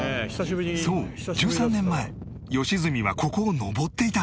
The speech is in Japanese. そう１３年前良純はここを上っていた